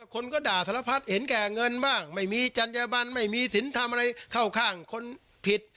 คนก็ด่าสารพัฒน์เห็นแก่เงินบ้างไม่มีจัญญบันไม่มีสินทำอะไรเข้าข้างคนผิด